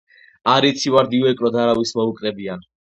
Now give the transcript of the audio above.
“არ იცი, ვარდი უეკლოდ არავის მოუკრებიან!”